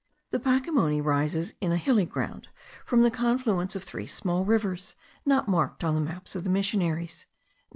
The Pacimoni rises in a hilly ground, from the confluence of three small rivers,* not marked on the maps of the missionaries.